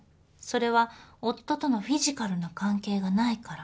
それは夫とのフィジカルな関係がないから。